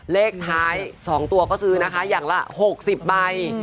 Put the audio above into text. เลขท้าย๒ตัวก็ซื้อนะคะอย่างละ๖๐ใบ